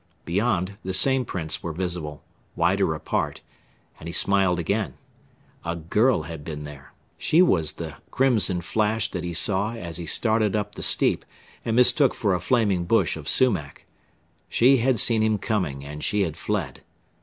Beyond, the same prints were visible wider apart and he smiled again. A girl had been there. She was the crimson flash that he saw as he started up the steep and mistook for a flaming bush of sumach. She had seen him coming and she had fled.